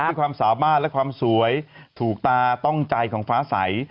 ความสามารถและความสวยถูกตาต้องใจของฟ้าใส